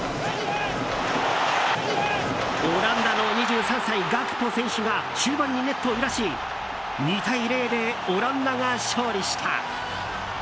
オランダの２３歳、ガクポ選手が終盤にネットを揺らし２対０でオランダが勝利した。